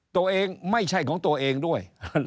ตัวเองไม่ใช่ของตัวเองด้วย